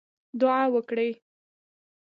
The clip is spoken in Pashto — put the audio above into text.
دعا وکړئ